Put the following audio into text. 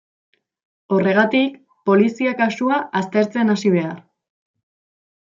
Horregatik, polizia kasua aztertzen hasi behar.